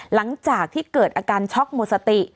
หลังจากที่เกิดอาการช็อกหมดสติ